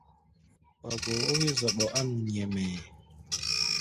Wa gboo ó wí-zɔɓɔ á nu nyɛmɛɛ.